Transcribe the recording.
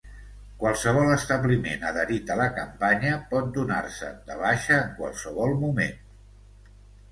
Qualsevol establiment adherit a la campanya pot donar-se'n de baixa en qualsevol moment.